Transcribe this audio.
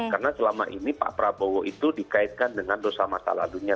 karena selama ini pak prabowo itu dikaitkan dengan dosa masalah dunia